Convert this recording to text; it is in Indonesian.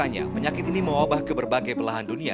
namun faktanya penyakit ini mengobah ke berbagai belahan dunia